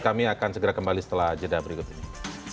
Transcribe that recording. kami akan segera kembali setelah jeda berikut ini